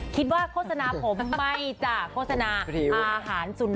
คิดว่าโฆษณาผมไม่จักโฆษณาอาหารซุ่นนัด